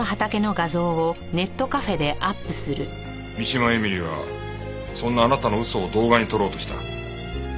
三島絵美里はそんなあなたの嘘を動画に撮ろうとした。